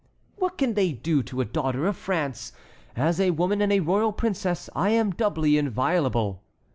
"What can they do to a daughter of France? As a woman and a royal princess I am doubly inviolable."